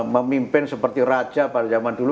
memimpin seperti raja pada zaman dulu